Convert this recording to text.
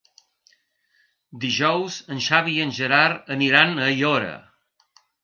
Dijous en Xavi i en Gerard aniran a Aiora.